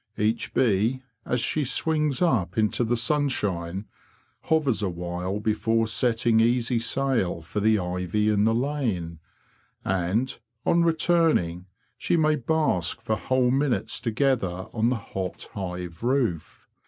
Each bee, as she swings up into the sunshine, hovers a while before setting easy sail for the ivy in the lane; and, on returning, she may bask for whole minutes together on the hot hive roof.